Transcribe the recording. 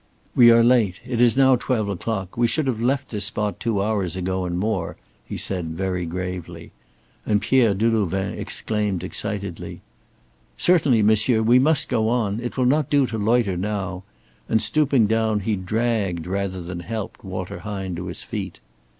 "We are late. It is now twelve o'clock. We should have left this spot two hours ago and more," he said, very gravely; and Pierre Delouvain exclaimed excitedly: "Certainly, monsieur, we must go on. It will not do to loiter now," and stooping down, he dragged rather than helped Walter Hine to his feet.